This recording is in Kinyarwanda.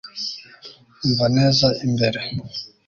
umva neza imbere